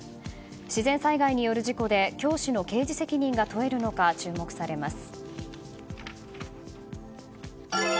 自然災害による事故で教師の刑事責任が問えるのか注目されます。